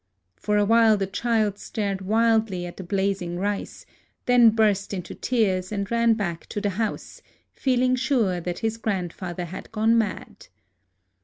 For a while the child stared wildly at the blazing rice ; then burst into tears, and ran back to the 22 A LIVING GOD house, feeling sure that his grandfather had gone mad.